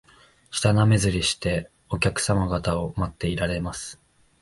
舌なめずりして、お客さま方を待っていられます